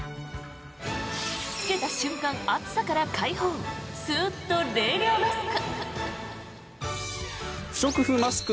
つけた瞬間、暑さから解放すっと冷涼マスク。